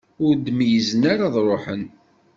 Ur d-meyyzen ara ad ruḥen.